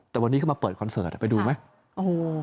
แต่วันนี้เขามาเปิดคอนเสิร์ตไปดูไหมโอ้โห